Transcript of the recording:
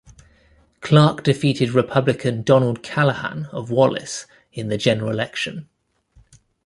Clark defeated Republican Donald Callahan of Wallace in the general election.